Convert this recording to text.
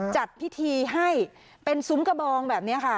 จัดพิธีให้เป็นซุ้มกระบองแบบนี้ค่ะ